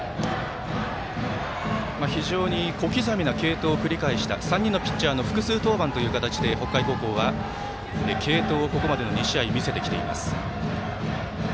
非常に小刻みな継投を繰り返した３人のピッチャーの複数登板という形で北海高校は継投をここまでの２試合見せてきています。